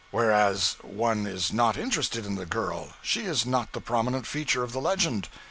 Whereas, one is not interested in the girl; she is not the prominent feature of the legend.